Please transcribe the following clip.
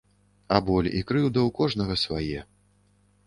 А боль і крыўда ў кожнага свае.